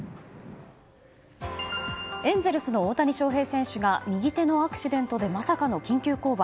エンゼルスの大谷翔平選手が右手のアクシデントでまさかの緊急降板。